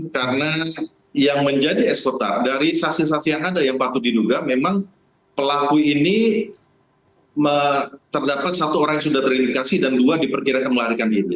karena yang menjadi ekskutar dari saksi saksi yang ada yang patut diduga memang pelaku ini terdapat satu orang yang sudah terindikasi dan dua diperkirakan melarikan diri